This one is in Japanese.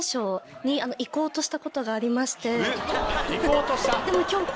行こうとした？